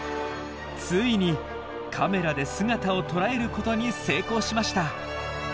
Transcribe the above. ついにカメラで姿をとらえることに成功しました。